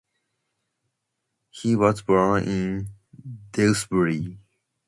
He was born in Dewsbury.